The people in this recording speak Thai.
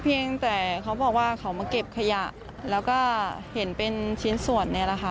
เพียงแต่เขาบอกว่าเขามาเก็บขยะแล้วก็เห็นเป็นชิ้นส่วนเนี่ยแหละค่ะ